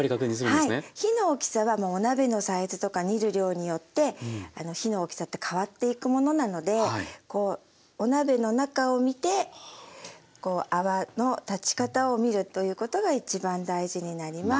火の大きさはお鍋のサイズとか煮る量によって火の大きさって変わっていくものなのでお鍋の中を見て泡の立ち方を見るということが一番大事になります。